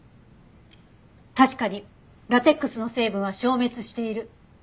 確かにラテックスの成分は消滅している。